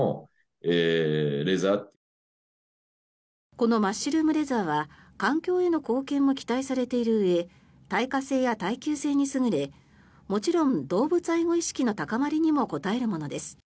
このマッシュルームレザーは環境への貢献も期待されているうえ耐火性や耐久性に優れもちろん動物愛護意識の高まりにも応えるものです。